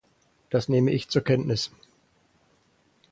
Das nehme ich zur Kenntnis.